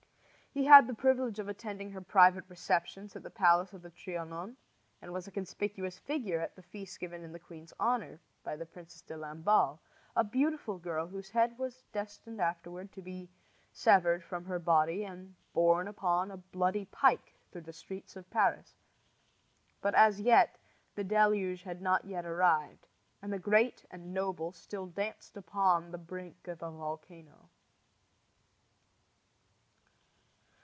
He had the privilege of attending her private receptions at the palace of the Trianon, and was a conspicuous figure at the feasts given in the queen's honor by the Princess de Lamballe, a beautiful girl whose head was destined afterward to be severed from her body and borne upon a bloody pike through the streets of Paris. But as yet the deluge had not arrived and the great and noble still danced upon the brink of a volcano.